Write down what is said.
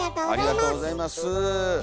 ありがとうございます。